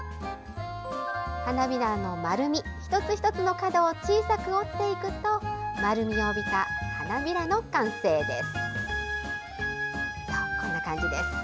花びらの丸み一つ一つの部分を小さく折っていくと丸みを帯びた花びらの完成です。